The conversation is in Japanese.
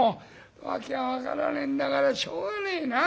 訳が分からねえんだからしょうがねえな。